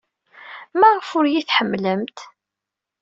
Maɣef ur iyi-tḥemmlemt?